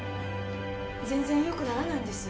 全然よくならないんです。